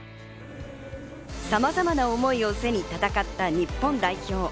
さまざまな思いを背に戦った日本代表。